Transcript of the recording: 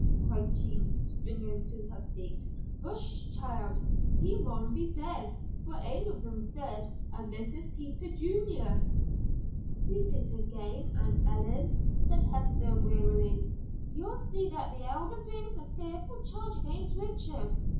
cried Jean, springing to her feet. "Hush, child. He maun be dead, for ain of them's dead, and this is Peter Junior." "Read it again, Aunt Ellen," said Hester, wearily. "You'll see that the Elder brings a fearful charge against Richard.